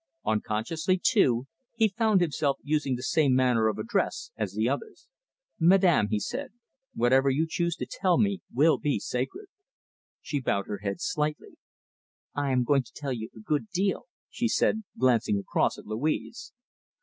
Unconsciously, too, he found himself using the same manner of address as the others. "Madame," he said, "whatever you choose to tell me will be sacred." She bowed her head slightly. "I am going to tell you a good deal," she said, glancing across at Louise.